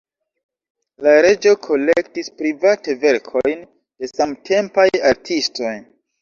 La reĝo kolektis private verkojn de samtempaj artistoj.